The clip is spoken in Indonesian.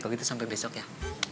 kalau gitu sampai besok ya